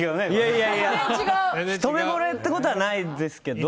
いやいや、ひと目ぼれってことはないですけど。